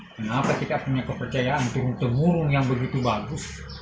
kenapa kita punya kepercayaan untuk murung yang begitu bagus